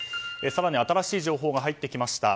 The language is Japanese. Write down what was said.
更に新しい情報が入ってきました。